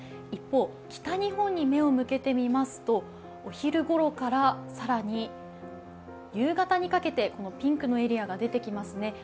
一方、北日本に目を向けてみますとお昼ごろから更に夕方にかけて、ピンクのエリアが出てきますね。